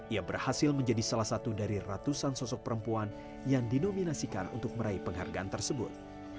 ia berhasil menjadi salah satu dari ratusan sosok perempuan yang dinominasikan untuk meraih penghargaan tersebut